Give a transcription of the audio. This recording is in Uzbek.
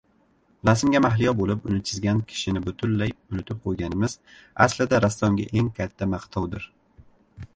Rasmga mahliyo boʻlib, uni chizgan kishini butunlay unutib qoʻyganimiz, aslida, rassomga eng katta maqtovdir.